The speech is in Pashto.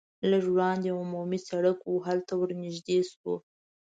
لږ وړاندې عمومي سرک و هلته ور نږدې شوو.